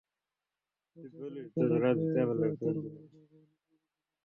তোর যখন একা লাগবে বা তোর মালিকের কারণে পেরেশান থাকবি।